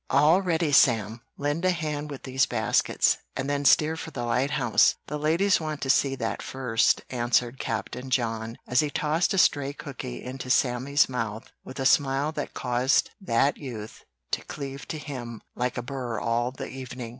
"All ready, Sam! Lend a hand with these baskets, and then steer for the lighthouse; the ladies want to see that first," answered Captain John, as he tossed a stray cookie into Sammy's mouth with a smile that caused that youth to cleave to him like a burr all the evening.